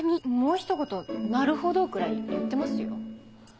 もうひと言「なるほど」くらい言ってますよ。